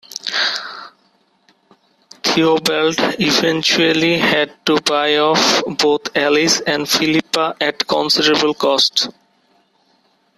Theobald eventually had to buy off both Alice and Philippa at considerable cost.